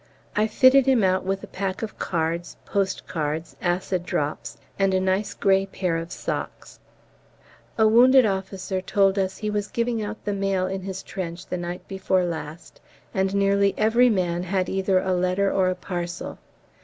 I fitted him out with a pack of cards, post cards, acid drops, and a nice grey pair of socks. A wounded officer told us he was giving out the mail in his trench the night before last, and nearly every man had either a letter or a parcel.